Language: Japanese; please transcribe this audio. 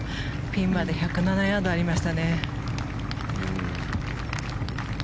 ピンまで１０７ヤードありましたね。